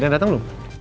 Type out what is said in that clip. udah dateng lu